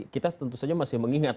kita tentu saja masih mengingat